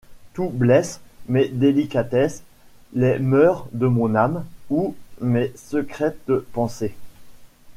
Tout blesse mes délicatesses, les mœurs de mon âme, ou mes secrètes pensées.